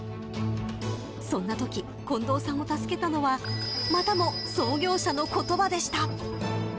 そんなとき近藤さんを助けたのはまたも、創業者の言葉でした。